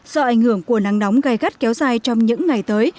do ảnh hưởng của nắng nóng gai gắt kéo dài trong những ngày tới